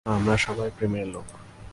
আমরা সবাই প্রেমের লোক!